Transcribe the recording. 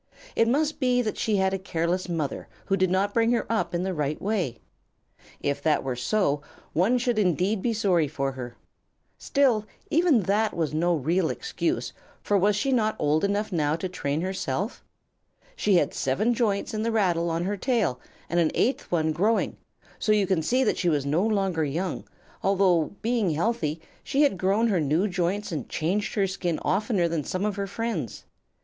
It must be that she had a careless mother who did not bring her up in the right way. If that were so, one should indeed be sorry for her. Still even that would be no real excuse, for was she not old enough now to train herself? She had seven joints in the rattle on her tail and an eighth one growing, so you can see that she was no longer young, although, being healthy, she had grown her new joints and changed her skin oftener than some of her friends.